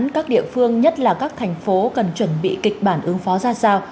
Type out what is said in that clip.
các địa phương nhất là các thành phố cần chuẩn bị kịch bản ứng phó ra sao